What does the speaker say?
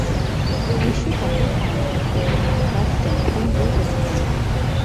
বিশ্বকাপের ফাইনালে van Basten কোন গোল করতে পারেননি।